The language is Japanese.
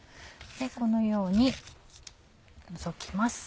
このように除きます。